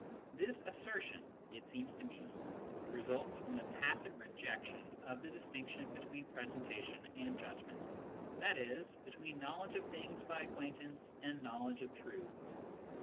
This assertion, it seems to me, results from the tacit rejection of the distinction be tween presentation and judgment, i.e. between knowledge of things by acquaintance and knowledge of truths.